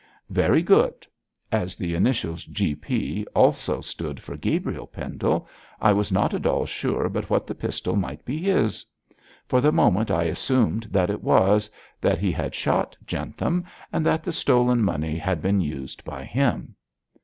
'Very good! As the initials "G. P." also stood for Gabriel Pendle, I was not at all sure but what the pistol might be his. For the moment I assumed that it was, that he had shot Jentham, and that the stolen money had been used by him.'